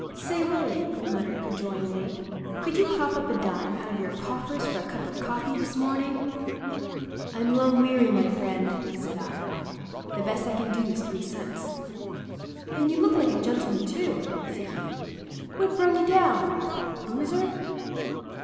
"Say, Willie," he muttered cajolingly, "could you cough up a dime out of your coffers for a cup of coffee this morning?" "I'm lung weary, my friend," said I. "The best I can do is three cents." "And you look like a gentleman, too," said he. "What brung you down?—boozer?"